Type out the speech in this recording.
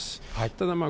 ただまあ